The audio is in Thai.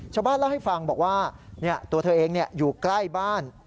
ชาวบ้านเล่าให้ฟังบอกว่าตัวเธอเองอยู่ใกล้บ้าน